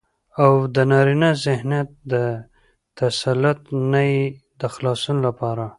او دنارينه ذهنيت له تسلط نه يې د خلاصون لپاره